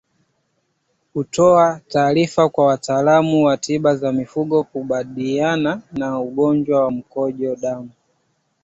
Kutoa taarifa kwa wataalamu wa tiba za mifugo hukabiliana na ugonjwa wa mkojo damu